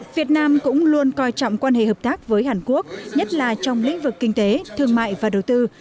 việt nam cũng luôn coi trọng quan hệ hợp tác với hàn quốc nhất là trong lĩnh vực kinh tế thương mại và đầu tư